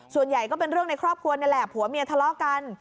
ส่วนใหญ่ก็เป็นเรื่องในครอบครัวนี่แหละผัวเมียทะเลาะกัน